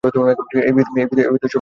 এই বিয়েতে সবকিছু নিজের ইচ্ছায় করছো।